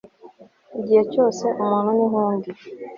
igihe cyose umuntu ninkundi